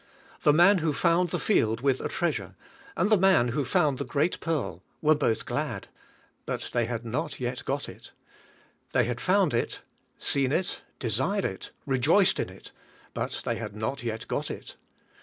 The man who found the field with a treasure, and the man who found the great pearl, were both glad; but they had not yet got it. They had found it, seen it, desired it, rejoiced in it; but they had not yet got it.